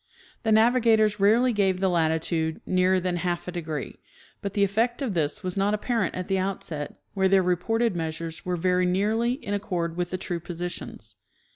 The navigators rarely gave the latitude nearer than half a de gree, but the effect orthis was not apparent at the outset, where their reported measures were very nearly in accord with the true positions.